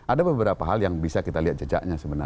ada beberapa hal yang bisa kita lihat jejaknya sebenarnya